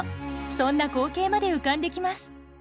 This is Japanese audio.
そんな光景まで浮かんできます。